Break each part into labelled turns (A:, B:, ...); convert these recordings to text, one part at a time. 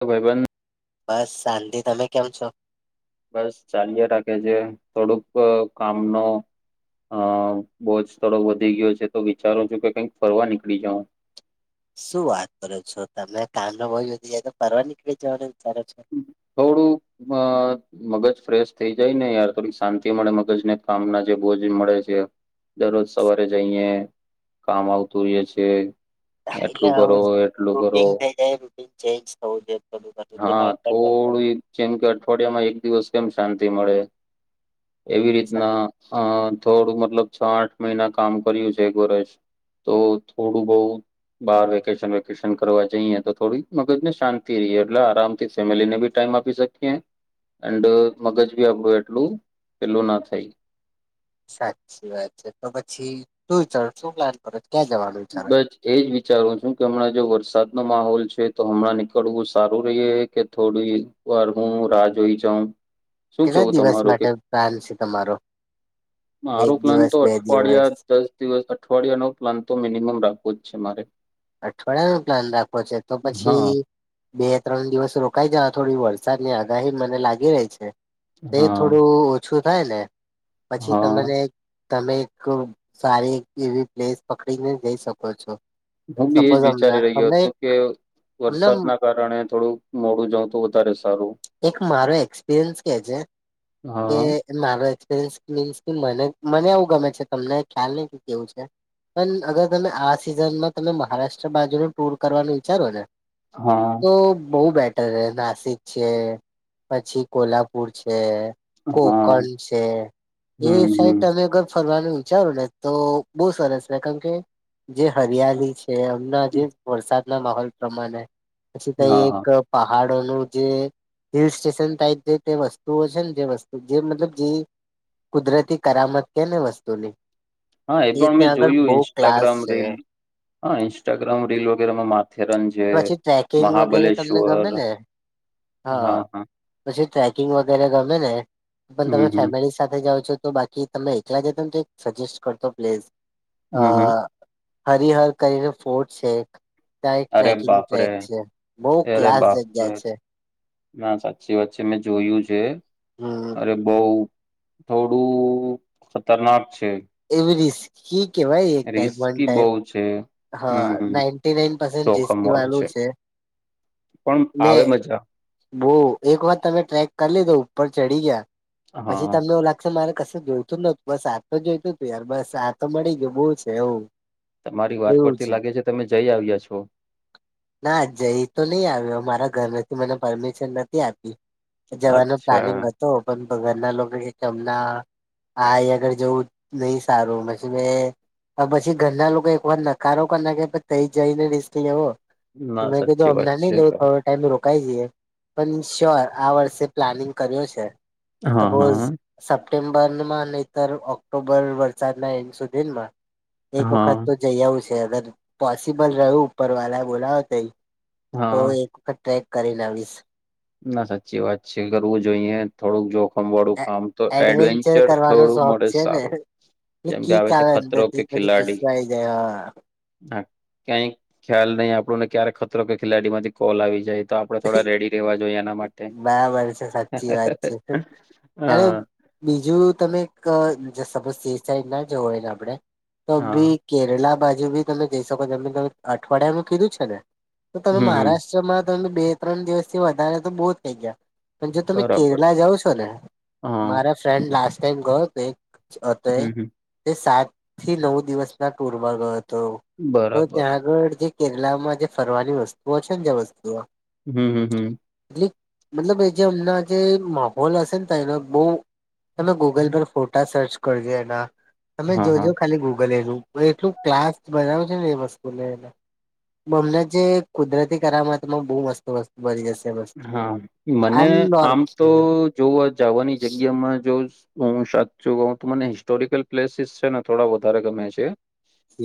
A: તો ભાઈ બંધ-
B: બસ શાંતિ. તમે કેમ છો?
A: બસ ચલીય રાખે છે. થોડુંક કામ નો હ. બોજ થડો વધી ગયો છે, તો વિચારો છો કે કઈક ફરવા નીકળી જાવ.
B: શું વાત કરો છો? તમે કામ નો બોજ વધી જય તો ફરવા નીકળી જવાનો વિચારો છો?
A: થોડું અ મગજ ફ્રેશ થઈ જાયને યાર. થોડી શાંતિ મળે, મગજને કામના છે બોજ મળે છે. દરરોજ સવારે જઈએ કામ આવતું હોય છે.
B: એટલે
A: એટલું કરો
B: આવું
A: એટલું કરો
B: રૂટીન થઈ જાય. ચેન્જ થવું જો [inaudible] બું
A: થોડી જેમ કે અઠવાડિયામાં એક દિવસ કેમ શાંતિ મળે? એવી
B: સા-
A: રીતના અ થોડું મતલબ છ આઠ મહિના કામ કર્યું છે. એક વર્ષ તો થોડું બહુ બહાર વેકેશન વેકેશન કરવા જઈએ, તો થોડી મગજને શાંતિ રહીએ. એટલે આરામ ફેમિલીને ભી ટાઈમ આપી શકીએ. એન્ડ મગજ ભી આપણું એટલું પેલું ના થાય.
B: સાચી વાત છે. તો પછી શું વિચારો, શું પ્લાન કરો? ક્યાં જવાનું વિચારો.
A: બસ એજ વિચારું છું કે હમણાં જો વરસાદનો માહોલ છે, તો હમણાં નીકળવું સારું રહી કે થોડી પર હું રાહ જોઈ જાઉં. શું
B: કેટલા
A: કેવું
B: દિવસ
A: તમારું કે
B: માટે પ્લાન છે તમારો?
A: મારો
B: એક
A: પ્લાન
B: દિવસ
A: તો
B: બે દિવસ
A: અઠવાડિયા દસ દિવસ અઠવાડિયાનો પ્લાન તો મિનિમમ રાખવો જ છે મારે.
B: અઠવાડિયાનો પ્લાન રાખો છે. તો
A: હા
B: પછી બે ત્રણ દિવસ રોકાઈ જ થોડી વરસાદની આગાહી મને લાગી રહી છે. એ
A: હા,
B: થોડું ઓછું થાયને પછી
A: હા.
B: તમને તમે એક સારી એવી પ્લેસ પકડીને જઈ શકો છો.
A: હું બી એજ
B: સપોઝ અમને
A: વિચારી રહ્યો
B: અમને
A: હતો
B: એક
A: કે
B: અમને
A: વરસાદના કારણે થોડું મોડું જઉ તો વધારે સારું.
B: એક મારો એક્સપિરિયન્સ કહે છે. કે
A: હા.
B: મારો એક્સપરયન્સ મીનસ કે મને એવું ગમે છે. તમને ખ્યાલ નહી કે કેવું છે. પણ અગર તમે આ સિઝનમાં તમે મહારાષ્ટ્ર બાજુનું ટૂર કરવાનું વિચારોને
A: હા.
B: તો બહુ બેટર છે. નાસિક છે, પછી કોલ્હાપુર છે.
A: હા.
B: કોકણ છે એ
A: હમ,
B: સાઈડ
A: હમ.
B: તમે અગર ફરવાનું ચાલોને, તો બહુ સરસને કેમ કે જે હરિયાલી છે. હમણા જે વરસાદ ના માહોલ પ્રમાણે પછી ત
A: હા,
B: એક
A: હા.
B: પહાડોનું જે હિલ સ્ટેશન ટાઈપ જે તે વસ્તુઓ છે ને જે વસ્તુ જે મતલબ જે કુદરતી કરામત કે ને વસ્તુની
A: હા એ પણ મેં
B: ત્યાં આગળ
A: જોયું
B: બહુ ક્લાસ
A: ઇન્સ્ટાગ્રામ
B: છે
A: રીલ હા ઇન્સ્ટાગ્રામ રીલ વગેરેમાં માથેરનજ
B: પછી ટ્રેકિંગ વગેરે તમને ગમે ને હા. પછી ટ્રેકિંગ વગેરે ગમે ને પણ
A: હમ,
B: તમે
A: હમ.
B: ફેમિલી સાથે જાઓ છો તો બાકી તમે એકલા જ સજેસ્ટ કરતો પ્લેઝ
A: હમ, હમ.
B: અહ હરીહર કરીને ફોટ છે એક ત્યા
A: અરે
B: ટ્રેકિંગ
A: બાપરે!
B: ટ્રેક છે બહુ ક્લાસ જગ્યા છે.
A: હા સાચી વાત છે મેં જોયું છે
B: હમ
A: અરે બઉ થોડું ખતરનાક છે.
B: એવી રિસ્કી કેવાય એક ટાઈપ વન
A: રિસ્કી
B: ટાઈપ.
A: બહુ છે
B: હા
A: હમ હમ
B: નાઈન્ટી નાઈન પરસેન્ટ રિસ્કી વાળું છે.
A: પણ આવે મજા.
B: બહ એક વાર તમે ટ્રેક કરી લીધો ઉપર ચડી ગયા પછી
A: હા
B: તમને એવું લા મારે કસુ જોઈતું નતું બસ આ તો જોઈતું હતું યાર બસ આ તો મળી ગયું બહુ છે એવું.
A: તમારી વાત પરથી લાગે છે તમે જઈ આવ્યા છો.
B: ના જઈ તો નહી આવ્યો મારા ઘર થી મને પરમિશન નથી આપી. જવાનો
A: અચ્છા
B: પ્લાનિંગ કરતો હઉ પણ ઘરના લોકો કે હમણાં [unintelligible] [inaudible] જેવું નહી સારું પછી મે પછી ઘરના લોકો એક વાર નકારો કર ના કે તયે જઈને રિસ્ક લેવો
A: ના
B: મે કીધું
A: સાચી વાત
B: અમના નહી
A: છે
B: લેવુ
A: તો
B: થોડુંક. [unintelligible] ટાઈમે રોકાઈ જઈએ પણ શ્યોર આ વર્ષે પ્લાનિંગ કર્યો છે.
A: હા
B: સપોઝ
A: હા
B: સપ્ટેમ્બરમાં નઈતર ઓક્ટોબર વરસાદના એન્ડ સુધીમાં એક
A: હા
B: વખત તો જઈ આવવું છે અગર પોસિબલ રહ્યું ઉપર વાળ બોલાવે તઈ તો
A: હા
B: એક વખત ટ્રેક કરીને આવીશ.
A: ના સાચી વાત છે કરવું જોઈએ થોડુંક જો આમવાળું આમ તો એડવેન્ચર
B: કરવાનો
A: થોડું
B: શોખ
A: મળે
B: છે ને
A: સારું.
B: એટલે
A: જેમ કે
B: કીક
A: છે
B: આવે
A: ખતરો
B: અંદર
A: કે
B: થી પછી
A: ખિલાડી
B: જુસ્સો આઈ જાય હા.
A: હા ક્યાય ખ્યાલ ને આપણને ક્યારે ખતરો કે ખેલાડી માંથી કોલ આવી જાય તો આપડે થોડા રેડી રેવા જોઈએ એના માટે
B: બરાબર છે સાચી વાત છે અને
A: હા
B: બીજું તમે એક અહ સપોઝ તે સાઈડ ના જવો હોય ને આપણે તો
A: હા
B: બી કેરલા બાજુ બી તમે જઈ શકો જેમકે તમે અઠવાડિયાનુ કીધું છે ને તો તમે
A: હમ હમ
B: મહારાષ્ટ્ર માં જ તમે બે ત્રણ દિવસથી વધારે તો બોજ થઈ ગયા. પણ જો તમે
A: બરાબર છે
B: કેરલા જાાવ છો ને
A: હા
B: મારા ફ્રેન્ડ લાસ્ટ ટાઈમ ગયો હતો ને
A: હમ હમ
B: એ સાત થી નવ દિવસ ના ટુરમાં ગયો હતો. તો
A: બરાબર
B: ત્યાં આગળ જે કેરલામાં જે ફરવાની વસ્તુઓ છે ને જે વસ્તુઓ
A: હમ-હમ.
B: એટલે મતલબ એ જે હમનાં જે માહોલ હશે ને તયનો બહુ તમે ગૂગલ પર ફોટા સર્ચ કરજો એના તમે
A: હા હા
B: જોજો ખાલી ગૂગલ એનુ એટલું ક્લાસ બનાવે છે ને એ વસ્તુને મતલબ જે કુદરતી કરામતમાં બહુ મસ્ત વસ્તુ [unintelligible] [inaudible]
A: હા મને આમ તો જોવા જાવાની જગ્યામાં જો હું સાચ્ચું કહું તો મને હિસ્ટોરિકલ પ્લેસીસ છે ને થોડા વધારે ગમે છે.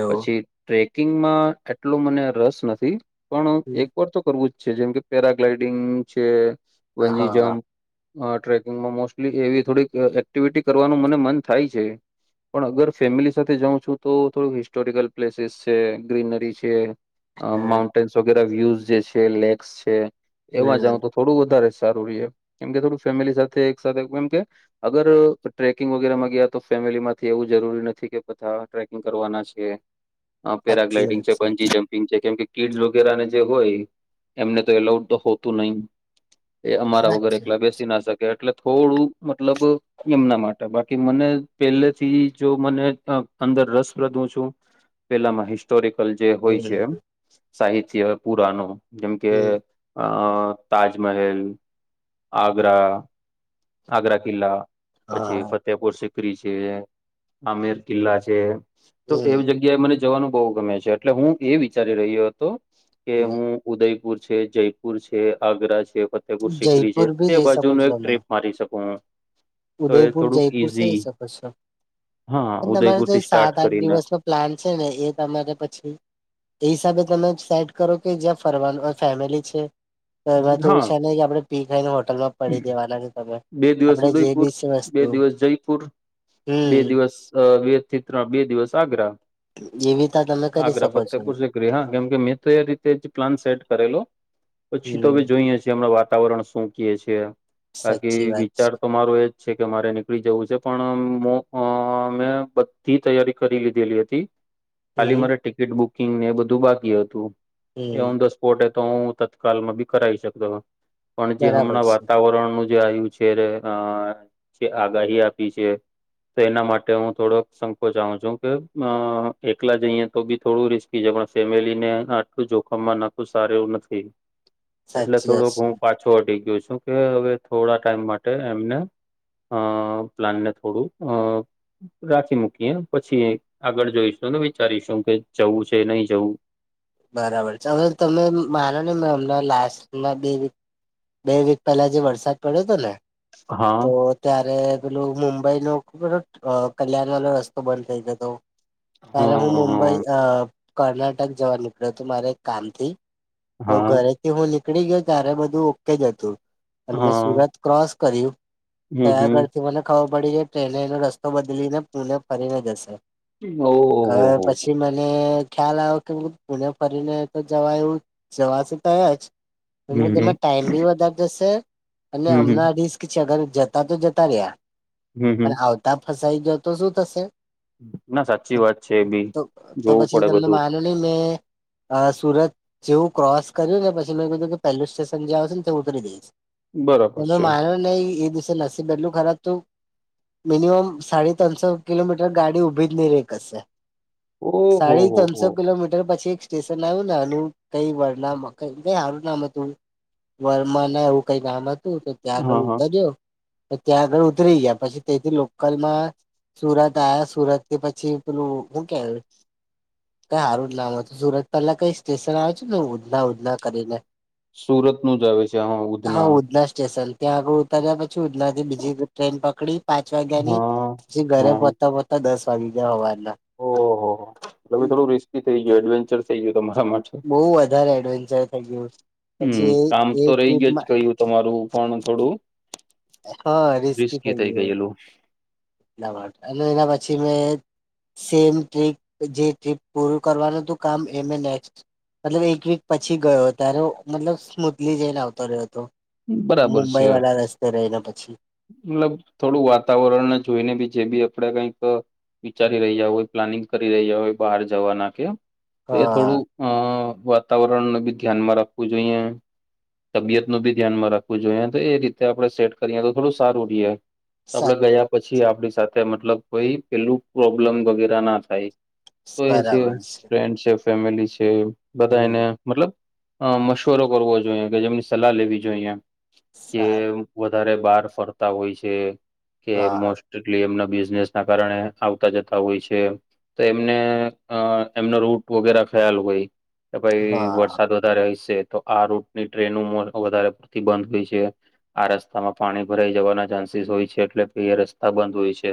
B: એવું
A: પછી ટ્રેકિંગમાં એટલું મને રસ નથી. પણ એક વાર તો કરવું જ છે જેમ કે પેરાગ્લાઈડિંગ છે બંનજી
B: હા
A: જમ્પ અ ટ્રેકિંગમાં મોસ્ટલી એવી થોડીક અહ એક્ટિવિટી કરવાનું મને મન થાય છે. પણ અગર ફેમિલી સાથે જાઉં છું તો થોડું હિસ્ટોરિકલ પ્લેસીસ છે ગ્રીનરી છે. અ માઉન્ટેન્સ વગેરે વ્યુસ જે છે લેક્સ છે એવા
B: હમ
A: જાઉ તો થોડું વધારે સારું ર કેમ કે થોડું ફેમિલી સાથે એક સાથે કેમ કે અગર ટ્રેકિંગ વગેરેમાં ગયા તો ફેમિલીમાંથી એવું જરૂરી નથી કે બધા ટ્રેકિંગ કરવાના છે. હા
B: સાચી
A: પેરાગલાઈડીંગ [unintelligible]
B: વાત
A: છે. બંજી જંપ કેમ કે કીડસ વગેને જે હોય એમને તો એલાઉડ તો હોતું નહી એ અમારા વગર
B: સાચી વાત
A: એકલા બેસી ના શકે એટલે થોડું મતલબ એમના માટે. બાકી મને પેલ્લેથી જો મને અંદર રસપ્રદ હું છું [inaudible] પેલામાં હિસ્ટોરિકલ જે હોય છે.
B: હમ
A: સાહિત્ય, પુરાનો જેમ કે
B: હમ
A: અ તાજમહેલ આગ્રા આગ્રા કિલ્લા પછી
B: હા
A: ફતેહપુર સિકરી છે. આમેર કિલ્લા છે. તો
B: હમ
A: એવી જગ્યાએ મને જવાનું બહુ ગમે છે. એટલે હું એ વિચારી રહ્યો હતો કે હું ઉદયપુર છે, જયપુર છે, આગ્રા છે, ફતેહપુર સિકરી છે.
B: જયપુર
A: તે
B: ભી જઈ શકો
A: બાજુનો
B: છો
A: એક
B: તમે
A: ટ્રીપ મારી શકું હું તો એ
B: ઉદયપુર,
A: થોડુંક
B: જયપુર સય
A: ઈઝી
B: શકો છો.
A: હા
B: પણ તમારે
A: ઉદયપુર
B: તય
A: થી સ્ટાર્ટ
B: સાત આઠ
A: કરીને
B: દિવસમાં પ્લાન છે ને એ તમારે પછી એ હિસાબે તમે સાઈડ કરો કે, જ્યાં ફરવાનું અ ફેમિલી છે. તો એમાં તો
A: હા
B: ઓછા નય કે પી ખાયને હોટલમાં પડી દેવાના છે. તમે
A: બે દિવસ
B: આપડે જે
A: ઉદયપુર,
B: બી છે
A: બે
B: વસ્તુ
A: દિવસ જયપુર, બે
B: હમ
A: દિવસ અ વ્ ચિત્રા, બે દિવસ આગ્રા
B: એવીતા તમે કરી
A: આગ્રા
B: શકો છો.
A: [unintelligible] હા કેમ કે, મેં તો એ રીતે જ પ્લાન સેટ કરેલો પછી તો
B: હમ
A: હવે જોઈએ છીએ. હમણાં વાતાવરણ શું ક્યે છે?
B: સાચી
A: બાકી
B: વાત
A: વિચાર તો મારો એજ છે કે, મારે નીકળી જવું છે પણ મો મેં બધી તૈયારી કરી લીધેલી હતી. [inaudible]
B: છે
A: ખાલી
B: હમ
A: મારે ટિકિટ બુકિંગને એ બધું બાકી હતું, એ
B: હમ
A: ઓન ધ સ્પોટ એતો હું તત્ કાલમાં બી કરાવી શકતો હતો, પણ જે
B: બરાબર
A: હમણાં
B: છે
A: વાતાવરણનું આયું છેર્ આ જે આગાહી આપી છે. તો એનાં માટે થોડોક સંકોચાવ છું કે, એકલાં જઈએ તો બી થોડું રિસ્ક જેમાં ફેમિલીને આટલું જોખમમાં નાખવું સારું એવું નથી એટલે
B: સાચી વાત
A: થોડોક હું
B: છે
A: પાછો હટી ગ્યો છું, કે હવે થોડા ટાઈમ માટે એમને અ.. પ્લાનને થોડું અઅ રાખી મૂકીએ પછી આગળ જોઈશું ને વિચારીશું કે જવું છે નહી જવું
B: બરાબર છે. હવે તમે માનો નય હમણાં લાસ્ટમાં બે બે વીક પહેલા જે વરસાદ પડ્યો ને
A: હા
B: તો ત્યારે પેલું મુંબઈનો ખબર હ કલ્યાણવાલો રસ્તો બંધ થઈ જતો. ત્યારે હું
A: હા
B: મુંબઈ અ કર્ણાટક જવા નીકળ્યો હતો. મારે એક કામથી તો
A: હા
B: ઘરેથી હું નીકળી ગ્યો ત્યારે બધું ઓકે જ હતું. અને મેં
A: હા
B: સુરત ક્રોસ કર્યું, તય
A: હમ
B: આગળ
A: હમ
B: થી મને ખબર પડી કે ટ્રેને એનો રસ્તો બદલીને પુને ફરીને જશે
A: ઓહો
B: હવે
A: હો
B: પછી મને ખ્યાલ આવ્યો કે હું પુને ફરીને તો જવાય એવું જવાશે તો યા જ
A: હમ
B: [unintelligible]
A: હમ
B: એમાં ટાઈમ બી વધારે જશે. અને
A: હમ
B: અમને
A: હમ
B: રિસ્ક છે અગર જતાં તો જતાર્યા.
A: હમ હમ
B: પણ આવતા ફસાઈ ગ્યો તો શું થશે?
A: ના સાચી વાત છે એ બી
B: [inaudible]
A: જોવું
B: પછી
A: પડે
B: તમને
A: બધું
B: માનું નહી મેં અ સુરત જેવું ક્રોસ કર્યું ને પછી મેં કીધું કે પહેલું સ્ટેશન જે આવશે ને તય હું ઉતરી દઈશ.
A: બરાબર
B: [unintelligible]
A: છે
B: માનો નહી એ દિવસે નસીબ બટલું ખરાબ હતું. મિનિમમ સાળી ત્રણસો કિલોમીટર ગાડી ઉભી જ નય રહી કશ્શે
A: ઓહો
B: સાડી
A: હો હો
B: ત્રણસો કિલોમીટર પછી સ્ટેશન આયું નાનું કંઈ વરનામ, મકઈ ક‌ંઈ હારું જ નામ હતું. વરમાંના કે એવું કઈ નામ હતું તો ત્યાં
A: હા
B: આગળ
A: હા
B: ઉતર્યો તો તો ત્યાં આગળ ઉતરી ગયા પછી ત્યાંથી લોકલમાં સુરત આવ્યા સુરત થી પછી પેલું શું કેવાય કઈ સારું જ નામ હતું સુરત પહેલા કઈ સ્ટેશન આવે છે ઉધના ઉધના કરીને
A: સુરતનું જ આવે છે આમાં
B: હા
A: ઉધના
B: ઉધના સ્ટેશન ત્યાં આગળ ઉતર્યા પછી ઉધનાથી બીજી ટ્રેન પકડી પાંચ વાગ્યા ની
A: હા
B: પછી ઘરે
A: હા
B: પોચતા પોચતા દસ વાગી ગયા સવારના
A: ઓહો હો થોડું રિસ્કી થઈ ગયું એડવેન્ચર થઈ ગયું તમારા માટે
B: બહુ વધારે એડવેન્ચર થઈ ગયું
A: હમ
B: પછી
A: કામ
B: એ
A: તો
B: એ
A: રહી ગયું જ
B: ટ્રીપમા
A: ગયું તમારું પણ થોડું રિસ્કી થઈ ગયેલું
B: [unintelligible] અને એના પછી મેં સેમ ટ્રીપ જે ટ્રીપ પૂરું કરવાનું હતું કામ એ અમે નેક્સ્ટ મતલબ એક વીક પછી ગયો ત્યારે મતલબ સ્મુધલી જઈને આવતો રહ્યો હતો.
A: બરાબર છે
B: મુંબઈ વાળા રસ્તે રહીને પછી
A: મતલબ થોડું વાતાવરણને જોઈને બી જે બી આપડે કંઈક વિચારી રહ્યા હોય પ્લાનિંગ કરી રહ્યા હોય બહાર જવાના કે તો એ
B: હા
A: થોડું હા હા વાતાવરણ નું બી ધ્યાનમાં રાખવું જોઈએ તબિયત નું બી ધ્યાનમાં રાખવું જોઈએ તો એ રીતે આપણે સેટ કરીએ તો થોડું સારું રહે તો આપડે
B: સાચ
A: ગયા પછી આપણી સાથે મતલબ કોઈ પેલું પ્રોબ્લમ વગેરે ના થાય. તો એ છે ફ્રેન્ડશિપ ફેમિલી છે બધા એને
B: હમ
A: મતલબ મશવરો કરવો જોઈએ કે જેમની સલાહ લેવી જોઈએ જે
B: સારું
A: વધારે બાર ફરતા હોય છે કે
B: હા
A: મોસ્ટ એટલે એમના બિઝનેસના કારણે આવતા જતા હોય છે. તો એમને તેમનો રૂટ વગેરે ખ્યાલ હોય કે ભાઈ
B: હા
A: વરસાદ વધારે હશે તો આ રૂટની ટ્રેનો વધારે પડતી બંધ હોય છે. આ રસ્તામાં પાણી ભરાઈ જવાના ચાન્સીસ હોય છે એટલે કે એ રસ્તા બંધ હોય છે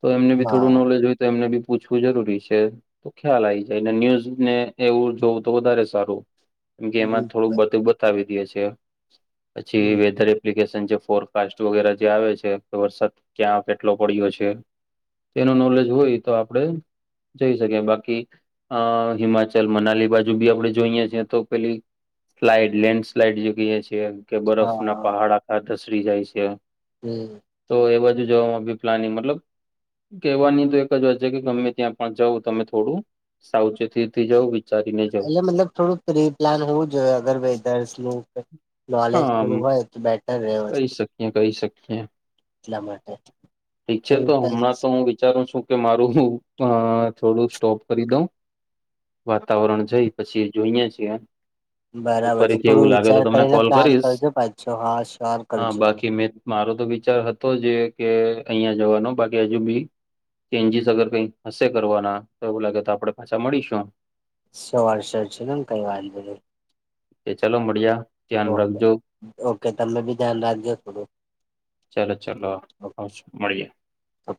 A: તો એમને બી થોડું
B: હા
A: નોલેજ હોય તો એમને બી પૂછવું જરૂરી છે. તો ખ્યાલ આવી જાય ને ન્યૂઝ ને એવું જોવું તો વધારે સારું કેમ કે એમાં થોડુંક
B: બિલકુલ
A: બધું બતાવી દે છે પછી વેધરે એપ્લિકેશન જે ફોરકાસ્ટ વગેરે જે આવે છે કે વરસાદ ક્યાં કેટલો પડ્યો છે? એનું નોલેજ હોય તો આપડે જઈ શકે બાકી અ હિમાચલ મનાલી બાજુ બી આપણે જોઈએ છીએ તો પેલી સ્લાઈડ લેન્ડ સ્લાઈડ જે કહીએ છીએ કે બરફ ના
B: હા
A: પહાડ આખા ધસરી જાય છે.
B: હમ્મ.
A: તો એ બાજુ જવામાં બી પ્લાનિંગ મતલબ કહેવાની તો એક જ વાત છે કે ગમે ત્યાં પણ જાવ તમે થોડું સાવચેતીથી જવું વિચારીને જવું
B: એટલે મતલબ થોડું પ્રી પ્લાન હોવું જોઈએ અગર વેધરનું કે નોલેજ
A: હા આમ
B: થોડું હોય તો બેટર રહે એ
A: કહી
B: વસ્તુ
A: શકીએ કહી શકીએ
B: એટલા માટે
A: ઠીક છે તો હમણાં તો હું વિચારું છું. કે મારુ અ થોડું સ્ટોપ કરી દઉં વાતાવરણ જઈ પછી જોઈએ છીએ. તો
B: બરાબર છે
A: ફરીથી એવું
B: થોડું
A: લાગે તો
B: વિચાર
A: તમને
B: કરીને
A: કોલ
B: પ્લાન
A: કરીશ
B: કરજો પાછો હા શ્યોર કરજો.
A: કે મેં મારો તો વિચાર હતો જે કે અહિયાં જવાનો બાકી હજુ બી ચેન્જીસ અગર કઈ હશે કરવાના તો એવું લાગે તો આપડે પાછા મળીશું.
B: સવાર શર્ટ છે ને કઈ વાધો નથી.
A: કે ચાલો મઢિયા.
B: ઓકે, ઓકે તમે બી ધ્યાન રાખજો થોડું.
A: ચાલો ચાલો આવશો મળીએ.
B: ઓકે